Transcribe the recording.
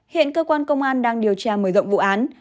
hiện cơ quan công an đang điều tra mở rộng vụ án